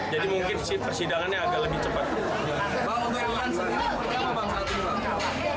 jadi mungkin persidangannya agak lebih cepat